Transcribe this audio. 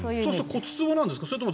骨つぼなんですか？